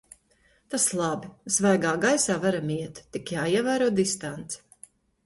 Tas labi! Svaigā gaisā varam iet, tik jāievēro distance.